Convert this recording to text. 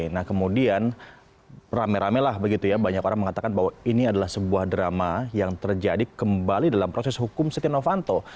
nah kemudian rame rame lah begitu ya banyak orang mengatakan bahwa ini adalah sebuah drama yang terjadi kembali dalam proses hukum setia novanto